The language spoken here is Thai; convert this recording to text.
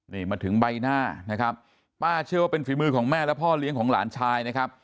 นี่มาถึงใบหน้านะครับป้าเชื่อว่าเป็นฝีมือของแม่และพ่อเลี้ยงของหลานชายนะครับ